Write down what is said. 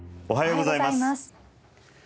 おはようございます。